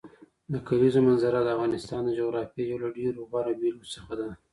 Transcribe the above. د کلیزو منظره د افغانستان د جغرافیې یو له ډېرو غوره بېلګو څخه ده.